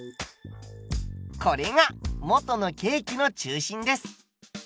これが元のケーキの中心です。